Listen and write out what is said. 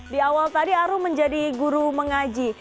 di awal tadi aru menjadi guru mengaji